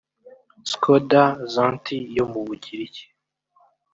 Skoda Xanthi yo mu Bugiriki